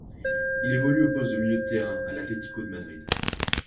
Il évolue au poste de milieu de terrain à l'Atlético de Madrid.